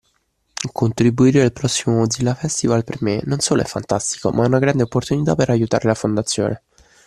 Contribuire al prossimo Mozilla Festival per me non solo è fantastico, ma è una grande opportunità per aiutare la Fondazione